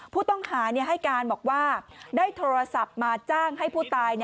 ผู้ต้องหาให้การบอกว่าได้โทรศัพท์มาจ้างให้ผู้ตาย